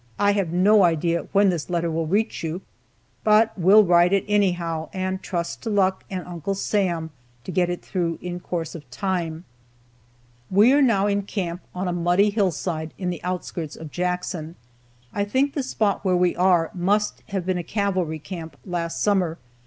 I have no idea when this letter will reach you, but will write it anyhow, and trust to luck and Uncle Sam to get it through in course of time. "We are now in camp on a muddy hillside in the outskirts of Jackson. I think the spot where we are must have been a cavalry camp last summer.